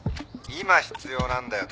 今必要なんだよ。